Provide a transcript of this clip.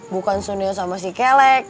bukan senior sama si kelek